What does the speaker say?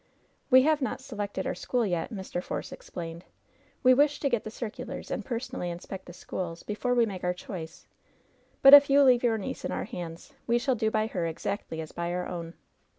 "We have not selected our school yet,*' Mr. Force ex plained. "We wish to get the circulars and personally inspect the schools before we make our choice, but if you leave your niece in our hands, we shall do by her exactly as by our own."